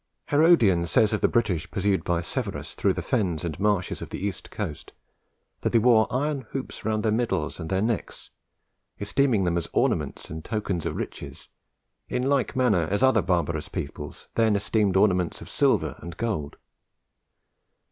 Herodian says of the British pursued by Severus through the fens and marshes of the east coast, that they wore iron hoops round their middles and their necks, esteeming them as ornaments and tokens of riches, in like manner as other barbarous people then esteemed ornaments of silver and gold.